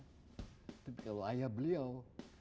tapi kalau ayah beliau